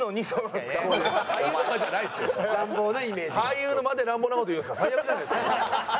俳優の間で乱暴な事言うんですか最悪じゃないですか。